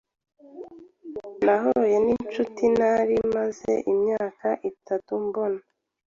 Nahuye ninshuti ntari maze imyaka itatu mbona.